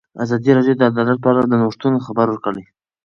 ازادي راډیو د عدالت په اړه د نوښتونو خبر ورکړی.